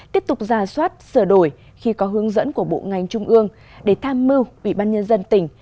tiếp tục ra soát sửa đổi khi có hướng dẫn của bộ ngành trung ương để tham mưu ubnd tỉnh